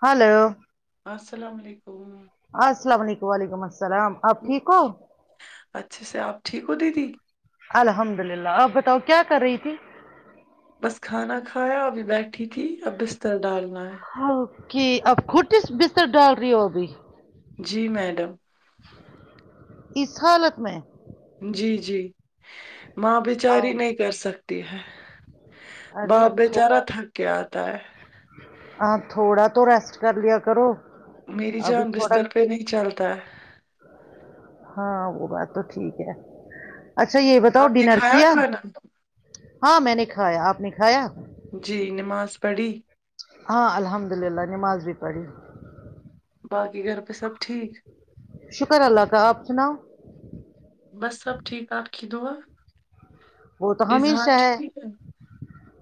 hello السلام و علیکم السلام علیکم وعلیکم السلام آپ ٹھیک ہو اچھے سے آپ ٹھیک ہو دیدی الحمد للہ آپ بتاؤ کیا کر رہی تھی بس کھانا کھایا ابھی بیٹھی تھی اب بستر ڈال ہاں کہ اب کھٹی سے بستر ڈال رہی ہو ابھی جی میڈم اس حالت میں جی جی ماں آو، بچاری نہیں کر سکتی ہے ارے باپ اب تھوڑا بچارہ تھک کے آتا ہے ہاں تھوڑا تو ریسٹ کر لیا کرو میری ابھی جان تھوڑا بستر پہ نہیں چل تا ہے ہاں وہ بات تو ٹھیک ہے اچھا یہ بتاؤ آپ نے ڈنر کھایا کیا کھانا ہاں میں نے کھایا آپ نے کھایا جی نماز پڑھی ہاں الحمد للہ نماز بھی پڑھی باقی گھر پہ سب ٹھیک شکر اللہ کا آپ سناؤ بس سب ٹھیک آپ کی دعا وہ تو اذہان ہمیشہ ہے ٹھیک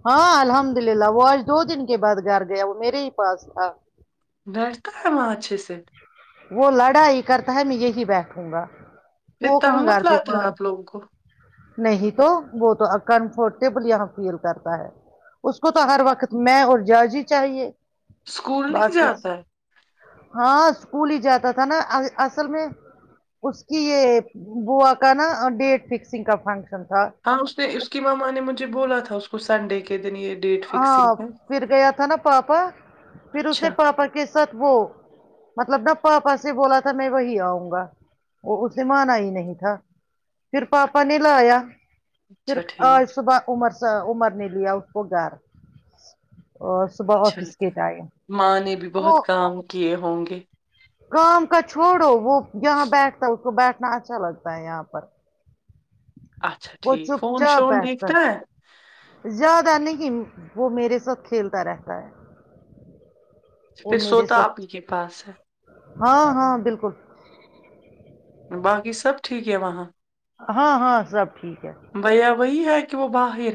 ہاں الحمد للہ وہ آج دو دن کے بعد گھر گیا وہ میرے ہی پاس تھا بیٹھتا ہے وہاں اچھے سے وہ لڑای کرتا ہے میں یہی بیٹھوں گا پھر وہ تنگ کہاں مت گھر پہ لاتا ہے مان آپ لوگوں کو نہیں تو وہ تو ا کمفرٹیبل یہاں فیل کرتا ہے اس کو تو اچھا ہر ٹھیک وقت میں اور جرج ہی ہی چاہیے اسکول نہیں باقی جاتا ہے ہاں اسکول ہی جاتا تھا نہ اصل میں اس کی یہ بوا کا نہ ڈیٹ فکسنگ کا فنکشن تھا ہاں اس نے اس کی ماما نے مجھے بولا تھا تھا اس کو سنڈے کے دن یہ ڈیٹ ہاں فکسنگ ہے پھر گیا تھا نا پاپا پھر اس اچھا نے پاپا کے ساتھ وہ مطلب نہ پاپا سے بولا تھا میں وہی آؤں گا وہ اسے مانا ہی نہیں تھا پھر پاپا نے لایا پھر اچھا آج ٹھیک صبح عمر سے عمر ن لی اٹ ب گار اچھا آفس کے ٹائم ماں نے بھی وہ بہت کام کیے ہوں گے [unintelligible] کام کا چھوڑو وہ یہاں بیٹھتا ہے اس کو بیٹھنا اچھا لگتا ہے یہاں پر اچھا وہ ٹھیک چپ فون چاپ شون بیھتا دیکھتا ہے زیادہ نہیں وہ میرے ساتھ کھیلتا رہتا ہے وہ پھر میرے سوتا ساتھ اپنی کے پاس ہے ہاں ہاں بالکل باقی سب ٹھیک ہے وہاں ہاں ہاں سب ٹھیک ہے بھیا وہی ہے کہ وہ باہر پیر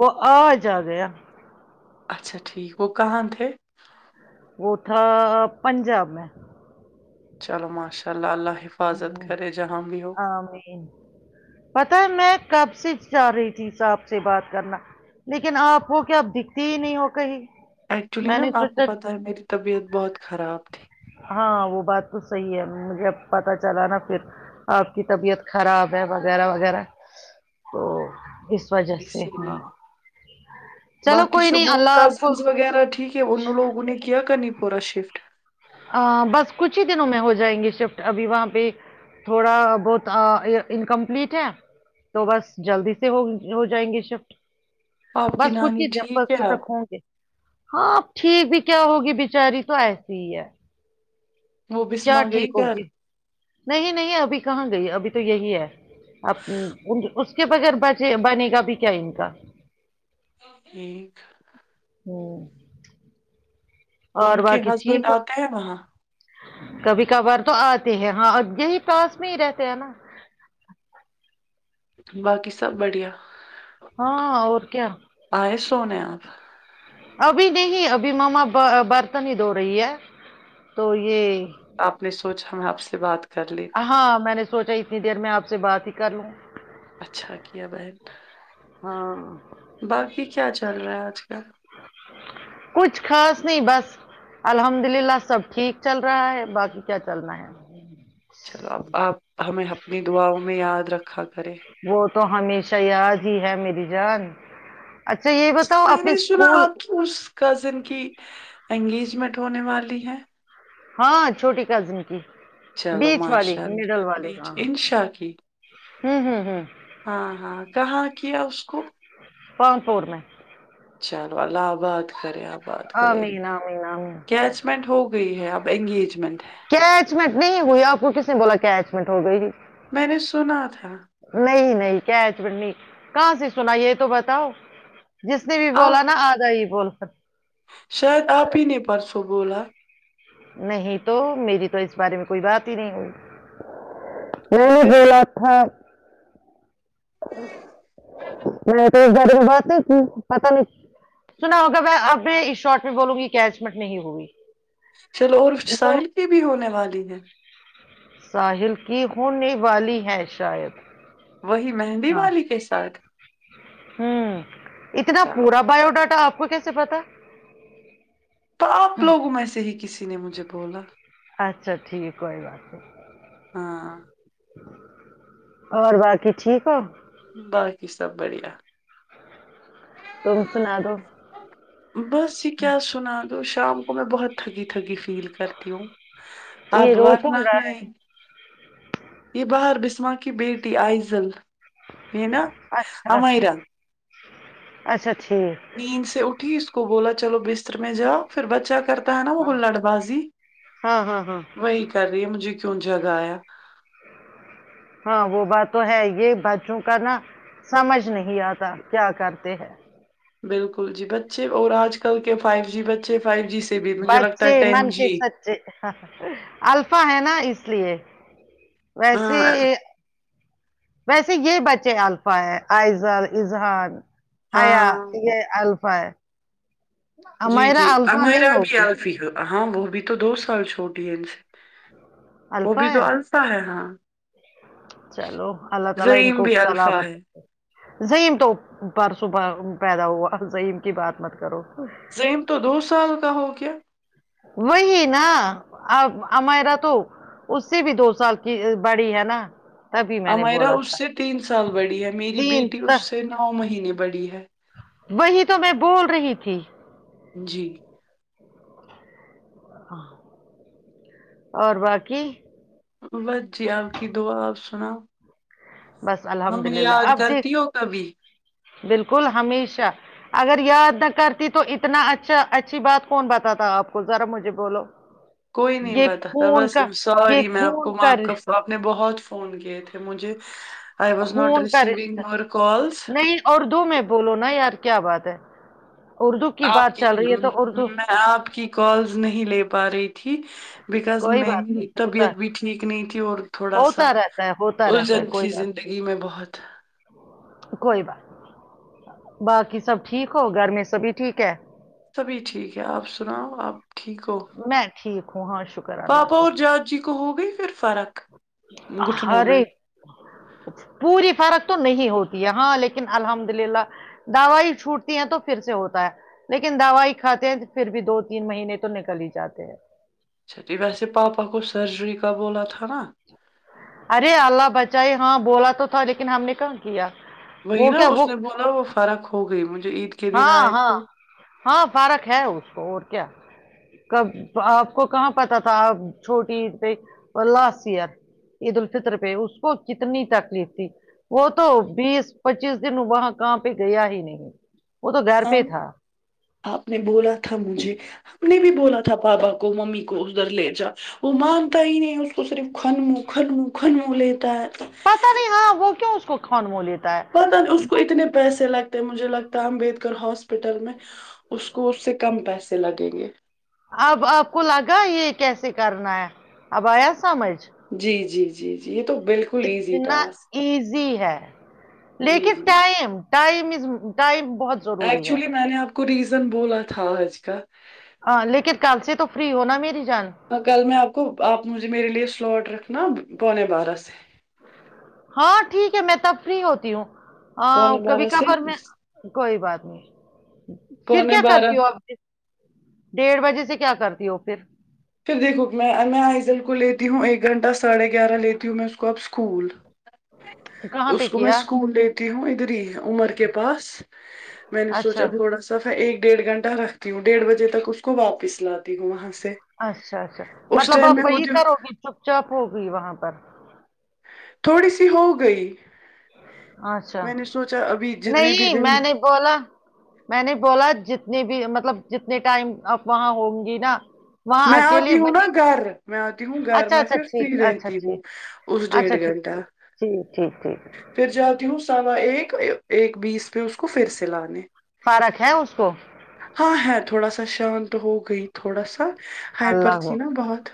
وہ آ جد ہیں [unintelligible] اچھا ٹھیک گ کہاں تھ وہ تھا پنجاب میں چلو ماشاء اللہ اللہ حفاظت کرے جہاں بھی ہو ہ پتا ہے میں کب سے چاہ رہی تھی صا آحپ سے بات کرنا لیکن آپ کو کیا اب دکھتی ہی نہیں ہو کہیں ایکچولی میں نا نے آپ کو سوچا پتہ ہے میری طبیعت بہت خراب تھی ہاں وہ بات تو صحیح ہے مجھےب پت چلا نا پھر آپ کی طبیعت خراب ہے وغیرہ وغیرہ تو اس وجہ سے اسی ہاں نہیں چلو باقی کوئی شب نہیں اللہ آپ کو کزنس وغیرہ ٹھیک ہے ان لوگوں نے کیا کرنی پورا شفٹ [unintelligible] بس کچھ ہی دنوں میں ہو جائیں گے شفٹ ابھی وہاں پہ تھوڑا بہت انکمپلیٹ ہے تو بس جلدی سے ہو جائیں گے شفٹ آپ کی بس کچھ نانی ہی د ٹھیک تک ہے ک گے ہاں آپ ٹھیک بھی کیا ہوگی بچاری تو ایسی ہی ہے وہ کیا بسما ٹھیک گئی گھر ہوگی نہیں نہیں ابھی کہاں گئی ابھی تو یہی ہے اب اس کے بغیر بچے بنے گا بھی کیا ان کا ایک ہوں ان اور کے باقی ہسبینڈ ٹھیک ہے آتے ہیں وہاں کبھی کبھار تو آتے ہیں ہاں یہی پاس میں ہی رہتے ہیں نا باقی سب بڑھیا ہاں اور کیا آئے سونے آپ [unintelligible] ابھی نہیں ابھی ماما برتنی ہی دھو رہی ہے تو یہ آپ نے سوچ [unintelligible] تو ہم میں آپ سے بات کر لیتے ہاں میں نے سوچا اتنی دیر میں آپ سے بات ہی کر لوں اچھا کیا بہن ہاں باقی کیا چل رہا ہے آج کل [unintelligible] کچھ خاص نہیں بس الحمد للہ سب ٹھیک چل رہا ہے باقی کیا چلنا ہے چلو اب آپ ہمیں اپنی دعاؤں میں یاد رکھا کرے وہ تو ہمیشہ شیاد ہی ہے میری جان یہ اچھا بتاؤ میں اپنی نے سنا اسکول آپ کی اس کزن کی انگیجمنٹ ہونے والی ہے ہاں چھوٹی کزن کی چلو بیچ والی ماشاء اللہ مڈل والی بھی ہاں انشا کی ہوں ہوں ہوں ہاں ہاں کہاں کیا اس کو پان پور میں چلو اللہ آباد کریں آپ بات کرے آمین آمین آمین کیچمنٹ ہوگی گئی ہے اب انگیجمنٹ ہے کیچمنٹ نہیں ہوئی آپ کو کس نے بولا کیچمنٹ ہو گئی جی میں نے سنا تھا نہیں کیا چڑنی کہاں سے سنا یہ تو بتاؤ جس نے بھی بولا آپ نا آ جا ہی بول اچ [unintelligible] شاید آپ ہی نے پرسوں بولا نہیں تو میری تو اس بارے میں کوئی بات ہی نہیں ہوئی ان اچھا نے پھر بلاات تھا [unintelligible] ا [unintelligible] میں توے بات ہے پت نہیں سنا ہوگا میں اب اس شارٹ میں بولوں گی کیچ مٹ نہیں ہوگی [unintelligible] چلو اور ساحل کی بھی ہونے والی ہے ساحل کی ہونے والی ہے شاید وہی مہندی ہاں والی کے ساتھ ہوں اتنا چلو پورا بایو ڈاٹا آپ کو کیسے پتا تو آپ لوگوں میں سے ہی کسی نے مجھے بولا اچھا ٹھیک ہے کوئی بات نہیں ہاں اور باقی ٹھیک ہے باقی سب بڑھیا تم سنا دو بہس یہ کیا سنان شام کو میں بہت تھکی تھکی فیل کرتی ہوں یہ اب رو ورنہ کون رہا میں ہے یہ بہار بسماں کی بیٹی آئزل ہے نا اچھا اچھا امیرن اچھا ٹھیک نیند سے اٹھی اس کو کو بولا چلو بستر میں جا پھر بچہ کرتے ہے نا وہ ہاں ہلڑ بازی ہاں ہاں ہاں وہی کر رہی ہے مجھے کیوں جگہ ہے ہاں وہ بات تو ہے یہ بچوں کا نا سمجھ نہیں آتا کیا کرتے ہیں بالکل جی بچے اور آج کل کے فائیو جی بچے فائیو ج بچے من کے سچے الفا ہے نا اس اس لیے ویسے ہاں ویسے یہ بچے الفا ہے آئزر اذہان ہ ہاں بر جی جی امیرا بھی اللفی ہے ہاں وہ بھی تو دو سال چھوٹی ہے ان سے وہ بھی تو الفا ہے ہاں [unintelligible] زعیم بھی الفا ہے زہم تو پرسوں پر پیدا ہوا زہم کی بات مت کرو زم تو دو سال کا ہوگیا کیا وہی نا ا امیرا تو اس سے بھی دو سال کی بڑی ہے نا تبھی میں نے امیرا بولا اس تھا سے تین سال بڑی ہے میری تین بیٹی اس تک سے نو مہینے بڑی ہے پ پھی جی اور باقی ب جی آپ کی دعا سناؤ بس م نے الحمدللہ یاد اب دیکھ کرتی ہو کبھی بالکل ہمیشہ اگر یاد نہ کرتی تو اتنا اچھا اچھی بات کون بتاتا آپ کو ذرا مجھے بولو کوئی نہیں یہ بتا تھا خون بس کا یہ سوری میں آپ خون کو آپ کا رش- آپ نے بہت فون کیے تھے مجھے آئی واز ناٹ خون کا ریسیونگ رشتہ مور کالس نہیں اردو میں بولو نا یار کیا بات ہے اردو آپ بات کی چل رہی ہے تو اردو میں آپ کی کالز نہیں لے پا رہی تھی بکاز کوئی بات میری نہیں ہوتا طبیعت ہے بھی ٹھیک نہیں تھی اور تھوڑا سا ہوتا رہتا ہے ہوتا رہتا ہے الجھن کوئی تھی بات زندگی میں بہت کوئی بات باقی سب ٹھیک ہو گھر میں سبھی ٹھیک ہے تبھی ٹھیک ہے آپ سناؤ آپ ٹھیک ہو میں ٹھیک ہوں ہاں شکر اللہ پاپا اور جارد جی کو ہو گئی پھر فرق کا گٹھنوں میں ارے پوری فرق تو نہیں ہوتی ہے ہاں لیکن الحمد للہ دوائی چھوٹتی ہے تو پھر سے ہوتا ہے لیکن دوائی کھاتے ہیں پھر بھی دو تین مہینے تو نکل ہی جاتے ہیں چھاٹ ویسے پاپا کو سرجری کا بولا تھا نا ارے اللہ بچائے ہاں بولا تو تھا لیکن ہم نے کہ کیا وہی وہ نا کیا اس وہ نے بولا وہ فرق ہو گئی مجھے عید کے دن ہاں آئے ہاں تھے ہاں فرق ہے اس کو اور کیا کب آپ کو کہاں پتا تھا آپ چھوٹی تھ لاسٹ ایئر عید الفطر پہ اس کو کتنی تکلیف تھی وہ تو بیس پچیس دن وہاں کہاں پہ گیا ہی نہیں وہ تو گھر آ پہ تھا آپ نے بولا تھا مجھے ہم نے بھی بولا تھا تھا پاپا کو ممی کو ادھر لے جا وہ مانتا ہی نہیں اس کو صرف خن من خن من خن منہ لیتا ہے پتا نہیں ہاں وہ کیوں اس کو کن مولے پتہ نہیں اس کو اتنے پیسے لگتے مجھے لگتا ہے امبڈکر ہاسپٹل میں اس کو اس سے کم پیسے لگیں گے اب آپ کو لگا یہ کیسے کرنا ہے اب آیا سمجھ جی جی جی جی یہ تو بالکل ایزی اتنا ٹاسک ایزی ہے جی لیکن جی ٹائم ٹائمز ٹائم بہت ضروری ہے ایکچولی میں نے آپ کو ریزن بولا تھا آج کا ہاں لیکن کل سے تو فری ہوناا میری جان کل میں آپ کو آپ مجھے میرے لیے سلاٹ رکھنا پونے [unintelligible] ہاں ٹھیک ہے میں تب فری ہوتی ہوں ہاں پونے کبھی بارہ ک سے پر میں کوئی بات نہیں پھر پونے کیا بارہ کرتی ہوں اب ڈیڑھ بجے سے کیا کرتی وہ پھر پھر دیکھو میں میں آئزل کو لیتی ہوں ایک گھنٹہ ساڑھے گیارہ لیتی ہوں میں اس کو اب اسکول کہاں پہ اس کو میں کیا سکون دیتی ج ہ ادھر ہی ہے عمر کے پاس میں نے اچھا سوچا تھوڑا سا ایک ڈیڑھ گھنٹہ رکھتی ہوں ڈیڑھ بجے تک اس کو واپس لاتی ہوں وہاں سے اچھا اچھا اس مطلب ٹائم میں آپ وہی ہوتی ہوں کرو گی چپ چاپ ہوگی وہاں پر تھوڑی سی ہو گئی ہ [inaudible] اچھا میں نے سوچا ابھی جتنے بھی نہیں دن میں نہیں بولا میں نے بولا جتنے بھی مطلب جتنے ٹائم آپ وہاں ہوں گی نا وہاں میں آپ اکیلے دوں نا وہی گھر میں آتی ہوں گھر اچھا میں اچھا پھر فری ٹھیک اچھا رہتی ہوں ٹھیک اس ڈیھ اچھا ٹھیک گھنٹہ ٹھیک ٹھیک ٹھیک ٹھیک پھر جاتی ہوں سوا ایک ایک بیس پہ اس کو پھر سے لانے فارق ہے اس کو ہاں ہے تھوڑا سا شانت ہو گئی تھوڑا سا ہائپر اللہ ہو تھی نا بہت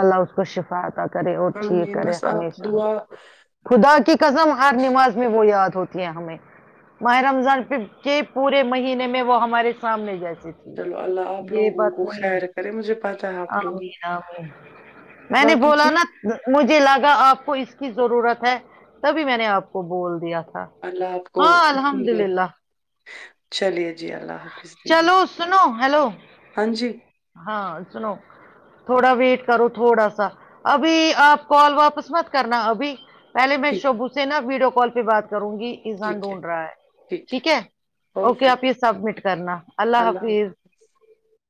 اللہ اس کو شفات کرے اور ٹھیک آمین کرے بس آپ ہمیشہ دعا خدا کی قسم ہر نماز میں وہ یاد ہوتی ہیں ہمیں ماہ رمضان پ کے پورے مہینے میں وہ ہمارے سامنے جاتے چلو اللہ آپ لوگوں کو خیر کرے مجھے پتا ہے آپ لوگ عامیرام میں نے باقی بولا ٹھیک نا مجھے لگا آپ کو اس کی ضرورت ہے تبھی میں نے آپ کو بول دیا تھا اللہ آپ کو ہاں خوشی الحمد دے للہ چلیے جی اللہ حافظ دیدی چلو سنو ہیلو ہاں جی ہاں سنو تھوڑا ویٹ کرو تھوڑا سا ابھی آپ کال واپس مت کرنا ابھی پہل میں ٹھیک شب ہے حسینا ویڈیو کال کے بعد کروں گی ایزاں ڈھونڈ رہا ہے ٹھیک ہے اوکے آپ یہ سبمٹ کرنا اللہ حافظ